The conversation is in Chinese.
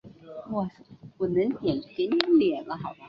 至建炎三年京东两路皆已沦陷。